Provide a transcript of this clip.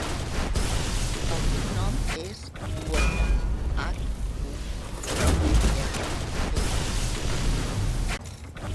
El cognom és Huerta: hac, u, e, erra, te, a.